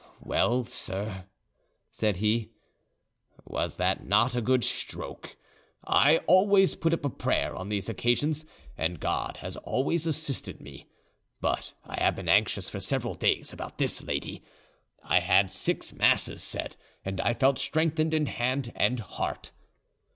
"Well, sir," said he, "was not that a good stroke? I always put up a prayer on these occasions, and God has always assisted me; but I have been anxious for several days about this lady. I had six masses said, and I felt strengthened in hand and heart."